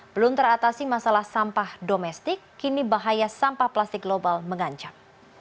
belum teratasi masalah sampah domestik kini bahaya sampah plastik global mengancam